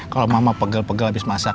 kalau mama pegal pegal abis masak